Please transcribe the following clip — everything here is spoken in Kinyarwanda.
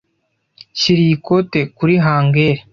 Shyira iyi kote kuri hangeri.